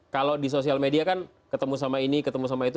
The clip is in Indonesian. kalau di sosial media kan ketemu sama ini ketemu sama itu